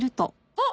あっ！